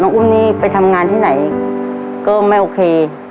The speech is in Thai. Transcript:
อุ้มนี่ไปทำงานที่ไหนก็ไม่โอเค